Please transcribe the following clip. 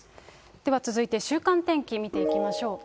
では続いて週間天気見ていきましょう。